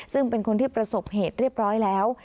ซึ่งเป็นคนที่ประสบเหตุเรียบร้อยแล้ว